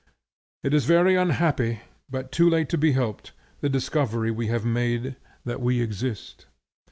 It is very unhappy, but too late to be helped, the discovery we have made that we exist.